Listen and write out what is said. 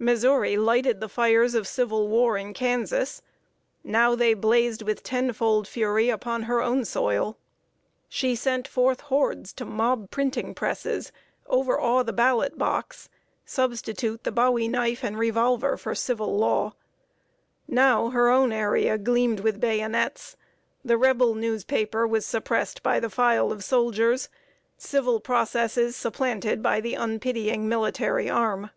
Missouri lighted the fires of civil war in Kansas; now they blazed with tenfold fury upon her own soil. She sent forth hordes to mob printing presses, overawe the ballot box, substitute the bowie knife and revolver for the civil law. Now, her own area gleamed with bayonets; the Rebel newspaper was suppressed by the file of soldiers, civil process supplanted by the unpitying military arm.